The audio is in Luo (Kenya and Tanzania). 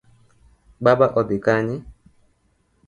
Baba odhi Kanye?